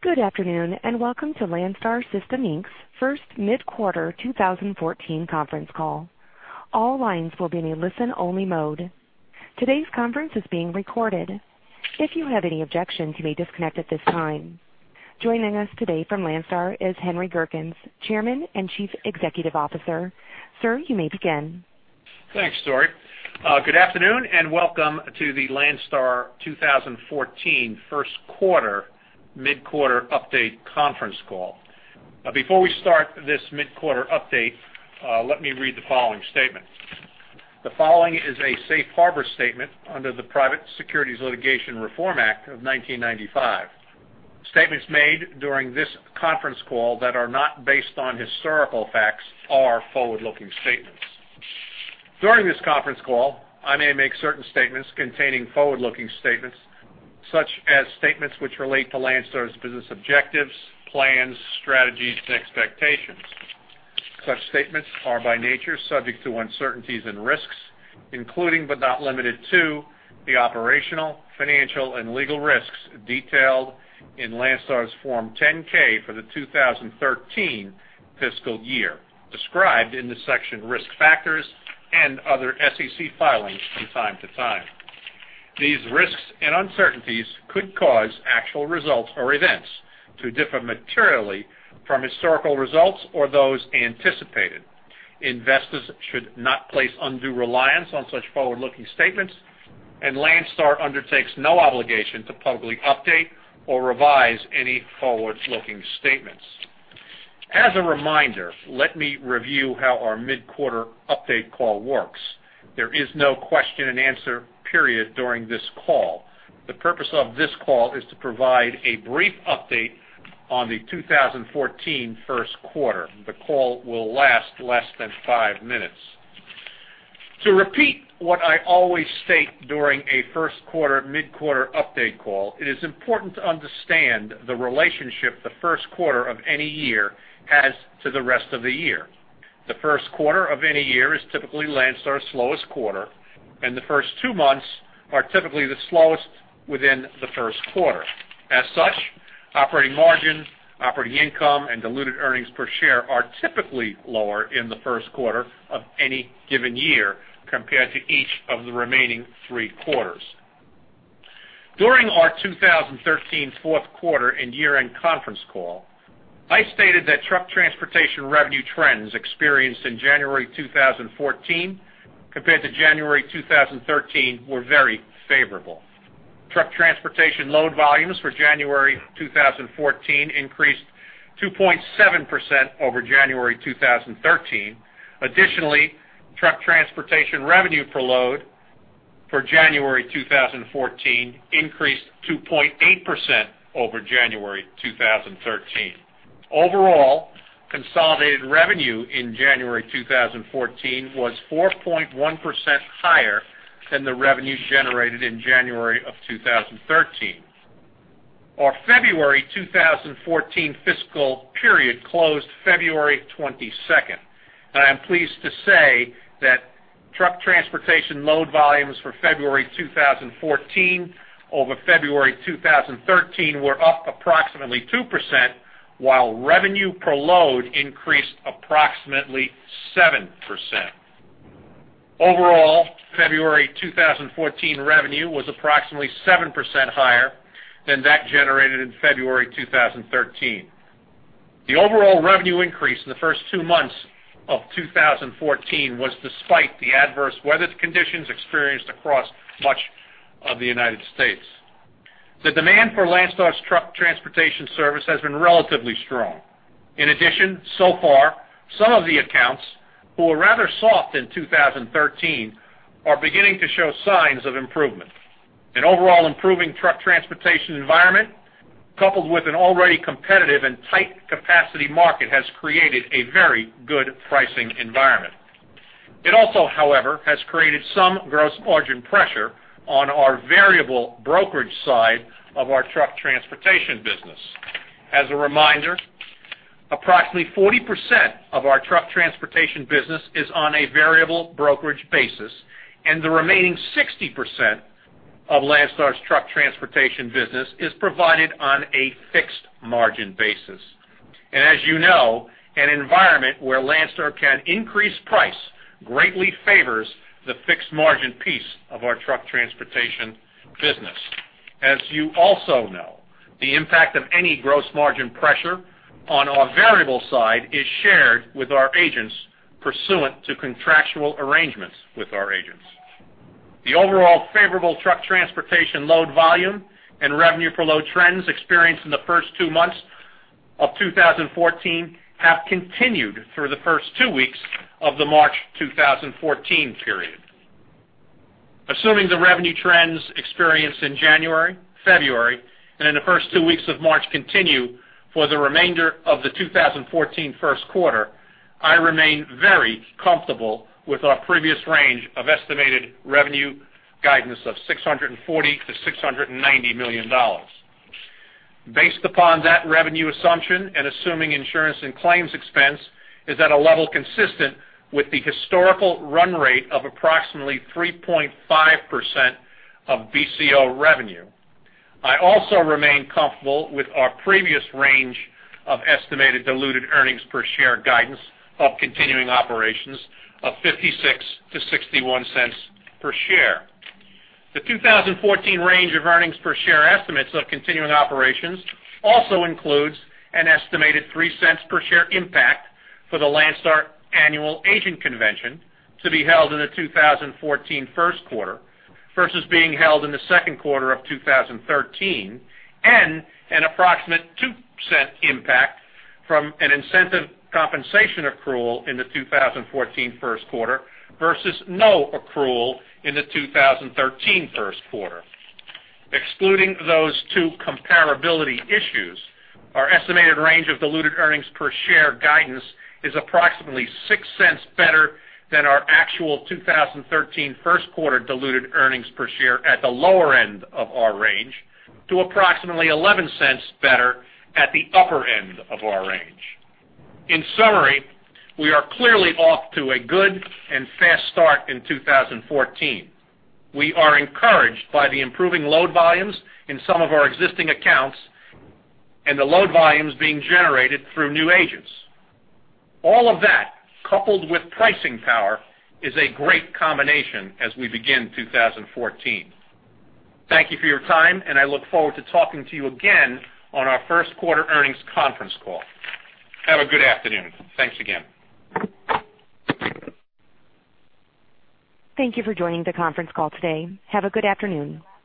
Good afternoon and welcome to Landstar System, Inc's First Mid-Quarter 2014 Conference Call. All lines will be in a listen-only mode. Today's conference is being recorded. If you have any objections, you may disconnect at this time. Joining us today from Landstar is Henry Gerkens, Chairman and CEO. Sir, you may begin. Thanks, Dori. Good afternoon and welcome to the Landstar 2014 First Quarter Mid-Quarter Update Conference Call. Before we start this mid-quarter update, let me read the following statement. The following is a Safe Harbor Statement under the Private Securities Litigation Reform Act of 1995. Statements made during this conference call that are not based on historical facts are forward-looking statements. During this conference call, I may make certain statements containing forward-looking statements, such as statements which relate to Landstar's business objectives, plans, strategies, and expectations. Such statements are by nature subject to uncertainties and risks, including but not limited to the operational, financial, and legal risks detailed in Landstar's Form 10-K for the 2013 fiscal year, described in the section Risk Factors and other SEC filings from time to time. These risks and uncertainties could cause actual results or events to differ materially from historical results or those anticipated. Investors should not place undue reliance on such forward-looking statements, and Landstar undertakes no obligation to publicly update or revise any forward-looking statements. As a reminder, let me review how our mid-quarter update call works. There is no question and answer period during this call. The purpose of this call is to provide a brief update on the 2014 first quarter. The call will last less than five minutes. To repeat what I always state during a first-quarter mid-quarter update call, it is important to understand the relationship the first quarter of any year has to the rest of the year. The first quarter of any year is typically Landstar's slowest quarter, and the first two months are typically the slowest within the first quarter. As such, operating margin, operating income, and diluted earnings per share are typically lower in the first quarter of any given year compared to each of the remaining three quarters. During our 2013 fourth quarter and year-end conference call, I stated that truck transportation revenue trends experienced in January 2014 compared to January 2013 were very favorable. Truck transportation load volumes for January 2014 increased 2.7% over January 2013. Additionally, truck transportation revenue per load for January 2014 increased 2.8% over January 2013. Overall, consolidated revenue in January 2014 was 4.1% higher than the revenue generated in January of 2013. Our February 2014 fiscal period closed February 22nd. I am pleased to say that truck transportation load volumes for February 2014 over February 2013 were up approximately 2%, while revenue per load increased approximately 7%. Overall, February 2014 revenue was approximately 7% higher than that generated in February 2013. The overall revenue increase in the first two months of 2014 was despite the adverse weather conditions experienced across much of the United States. The demand for Landstar's truck Transportation service has been relatively strong. In addition, so far, some of the accounts who were rather soft in 2013 are beginning to show signs of improvement. An overall improving truck transportation environment, coupled with an already competitive and tight capacity market, has created a very good pricing environment. It also, however, has created some gross margin pressure on our variable brokerage side of our Truck Transportation business. As a reminder, approximately 40% of our Truck Transportation business is on a variable brokerage basis, and the remaining 60% of Landstar's Truck Transportation business is provided on a fixed margin basis. As you know, an environment where Landstar can increase price greatly favors the fixed margin piece of our Truck Transportation business. As you also know, the impact of any gross margin pressure on our variable side is shared with our agents pursuant to contractual arrangements with our agents. The overall favorable truck transportation load volume and revenue per load trends experienced in the first two months of 2014 have continued through the first two weeks of the March 2014 period. Assuming the revenue trends experienced in January, February, and in the first two weeks of March continue for the remainder of the 2014 first quarter, I remain very comfortable with our previous range of estimated revenue guidance of $640 million-$690 million. Based upon that revenue assumption and assuming insurance and claims expense is at a level consistent with the historical run rate of approximately 3.5% of BCO revenue, I also remain comfortable with our previous range of estimated diluted earnings per share guidance of continuing operations of $0.56-$0.61 per share. The 2014 range of earnings per share estimates of continuing operations also includes an estimated $0.03 per share impact for the Landstar Annual Agent Convention to be held in the 2014 first quarter versus being held in the second quarter of 2013, and an approximate $0.02 cent impact from an incentive compensation accrual in the 2014 first quarter versus no accrual in the 2013 first quarter. Excluding those two comparability issues, our estimated range of diluted earnings per share guidance is approximately $0.06 better than our actual 2013 first quarter diluted earnings per share at the lower end of our range to approximately $0.11 better at the upper end of our range. In summary, we are clearly off to a good and fast start in 2014. We are encouraged by the improving load volumes in some of our existing accounts and the load volumes being generated through new agents. All of that, coupled with pricing power, is a great combination as we begin 2014. Thank you for your time, and I look forward to talking to you again on our first quarter earnings conference call. Have a good afternoon. Thanks again. Thank you for joining the conference call today. Have a good afternoon. Please.